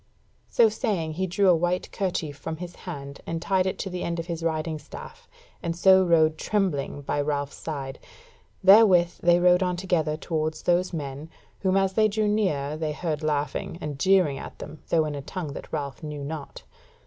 So saying he drew a white kerchief from his hand, and tied it to the end of his riding staff, and so rode trembling by Ralph's side: therewith they rode on together towards those men, whom as they drew nearer they heard laughing and jeering at them, though in a tongue that Ralph knew not.